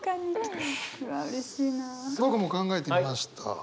僕も考えてみました。